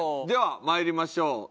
ではまいりましょう。